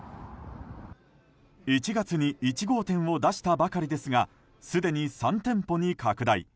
１月に１号店を出したばかりですがすでに３店舗に拡大。